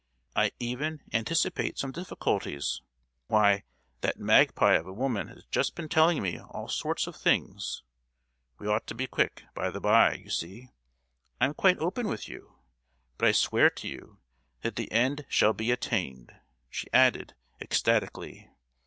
I even anticipate some difficulties. Why, that magpie of a woman has just been telling me all sorts of things. We ought to be quick, by the bye; you see, I am quite open with you! But I swear to you that the end shall be attained!" she added, ecstatically.